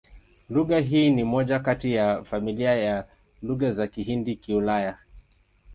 Lugha hii ni moja kati ya familia ya Lugha za Kihindi-Kiulaya.